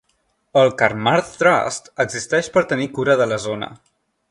El Carnmarth Trust existeix per tenir cura de la zona.